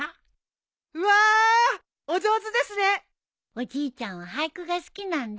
おじいちゃんは俳句が好きなんだ。